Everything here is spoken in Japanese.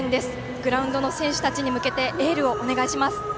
グラウンドの選手たちに向けてエールをお願いします。